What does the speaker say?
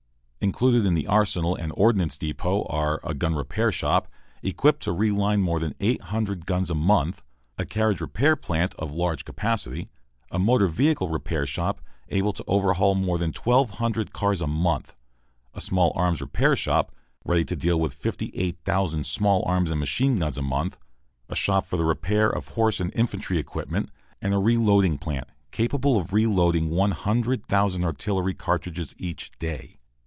Included in the arsenal and ordnance depot are a gun repair shop, equipped to reline more than 800 guns a month, a carriage repair plant of large capacity, a motor vehicle repair shop, able to overhaul more than 1,200 cars a month, a small arms repair shop, ready to deal with 58,000 small arms and machine guns a month, a shop for the repair of horse and infantry equipment, and a reloading plant, capable of reloading 100,000 artillery cartridges each day.